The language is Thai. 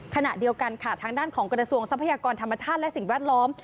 ขณะเดียวกันค่ะทางด้านของกระทรวงทรัพยากรธรรมชาติและสิ่งแวดล้อม